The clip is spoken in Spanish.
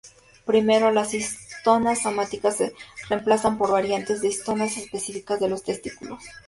Primero, las histonas somáticas se reemplazan por variantes de histonas específicas de los testículos.